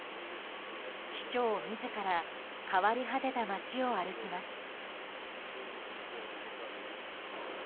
市長自ら変わり果てた街を歩きます。